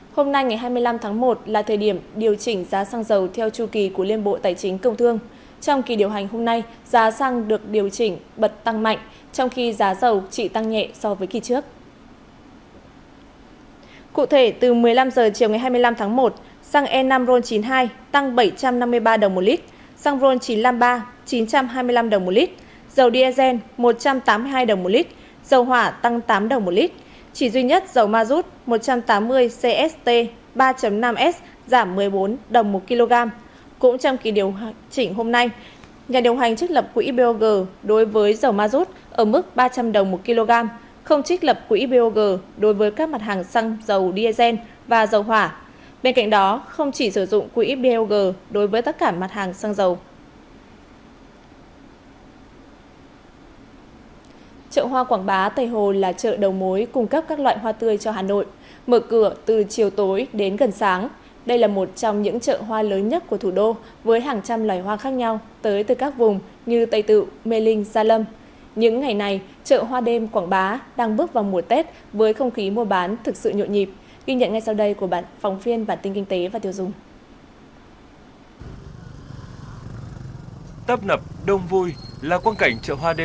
hôm nay ngày hai mươi năm tháng một là thời điểm điều chỉnh giá xăng dầu theo chu kỳ của liên bộ tài chính công thương trong kỳ điều hành hôm nay giá xăng được điều chỉnh bật tăng mạnh trong khi giá dầu chỉ tăng nhẹ so với kỳ trước